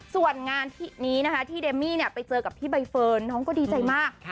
ส่วนงานนี้นะคะที่เดมมี่ไปเจอกับพี่ใบเฟิร์นน้องก็ดีใจมาก